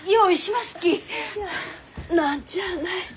何ちゃあない。